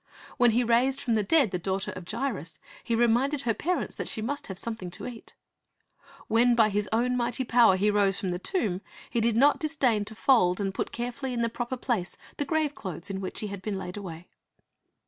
When He raised from the dead the daughter of Jairus, He reminded her parents that she must have something to eat. Wlicn by His own mighty power He rose from the tomb, He did not disdain to fold and put carefully in the proper place the grave clothes in which He had been laid away.